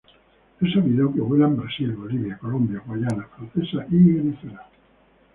Es sabido que vuela en Brasil, Bolivia, Colombia, Guayana Francesa y Venezuela.